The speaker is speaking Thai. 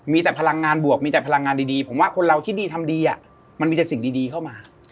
มีแต่พลังงานบวกมีแต่พลังงานดีผมว่าคนเราคิดดีทำดีมันมีแต่สิ่งดีเข้ามา